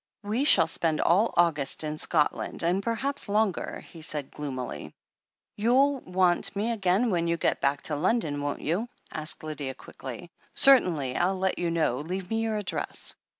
"We shall spend all August in Scotland, and perhaps longer," he said gloomily. "You'll want me again when you get back to London, won't you?" asked Lydia quickly. "Certainly. Til let you know. Leave me your address."